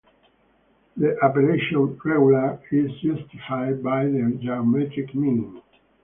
The appellation "regular" is justified by the geometric meaning.